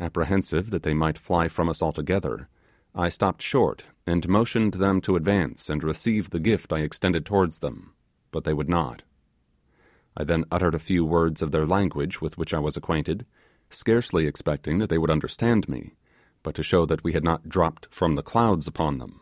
Apprehensive that they might fly from us altogether, I stopped short and motioned them to advance and receive the gift I extended towards them, but they would not; I then uttered a few words of their language with which I was acquainted, scarcely expected that they would understand me, but to show that we had not dropped from the clouds upon them.